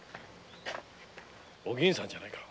お銀さんじゃないか。